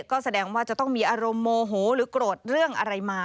ก็แสดงว่าจะต้องมีอารมณ์โมโหหรือโกรธเรื่องอะไรมา